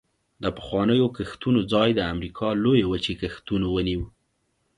د پخوانیو کښتونو ځای د امریکا لویې وچې کښتونو ونیو